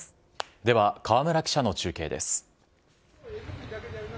では、河村記者の中継です。